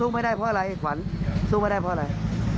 ไม่ใช่คนนี้